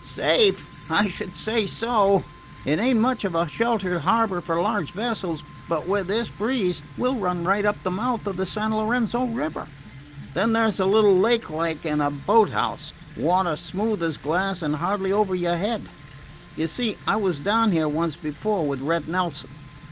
"Safe! I should say so. It ain't much of a sheltered harbor for large vessels, but with this breeze we 'll run right up the mouth of the San Lorenzo River. Then there 's a little lake like, and a boat house. Water smooth as glass and hardly over your head. You see, I was down here once before, with Red Nelson.